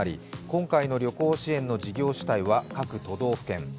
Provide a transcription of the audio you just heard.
今回の旅行支援の事業主体は各都道府県。